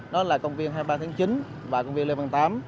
đó là công viên hai mươi ba tháng chín và công viên lê văn tám